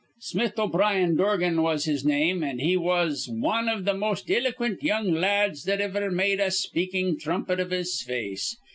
Smith O'Brien Dorgan was his name, an' he was wan iv th' most iloquint young la ads that iver made a speakin' thrumpet iv his face.